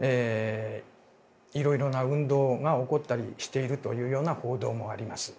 いろいろな運動が起こったりしているというような報道もあります。